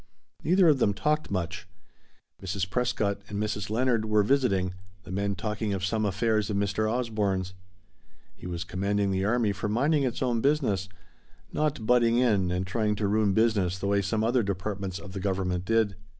Neither of them talked much. Mrs. Prescott and Mrs. Leonard were "visiting"; the men talking of some affairs of Mr. Osborne's. He was commending the army for minding its own business not "butting in" and trying to ruin business the way some other departments of the Government did.